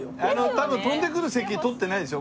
多分飛んでくる席取ってないでしょ？